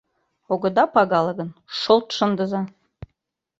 Огыда пагале гын, шолт шындыза!